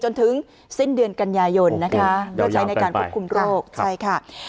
จนถึงสิ้นเดือนกันยายนนะคะเพื่อใช้ในการควบคุมโรคใช่ค่ะ